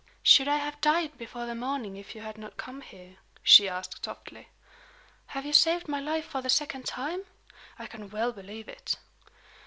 "Should I have died before the morning if you had not come here?" she asked, softly. "Have you saved my life for the second time? I can well believe it."